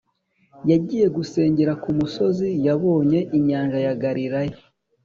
Yagiye gusengera ku musozi yabonye inyanja ya Galilaya